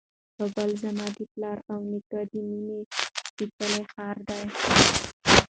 کابل زما د پلار او نیکونو د مېنې سپېڅلی ښار دی.